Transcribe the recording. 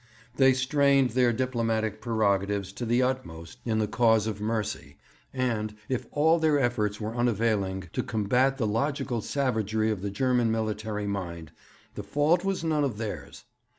They strained their diplomatic prerogatives to the utmost in the cause of mercy, and, if all their efforts were unavailing to combat the logical savagery of the German military mind, the fault was none of theirs.